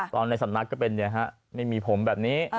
ตอนในสนักก็เป็นเนี่ยฮะไม่มีผมแบบนี้